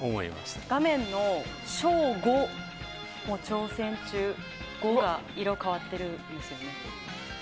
画面の省吾の吾が色変わってるんですよね。